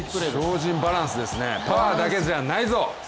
超人バランスですねパワーだけじゃないぞ！